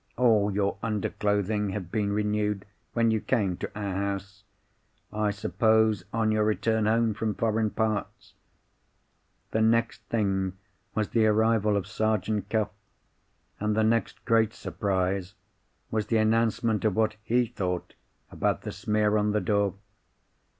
All your underclothing had been renewed, when you came to our house—I suppose on your return home from foreign parts. "The next thing was the arrival of Sergeant Cuff; and the next great surprise was the announcement of what he thought about the smear on the door.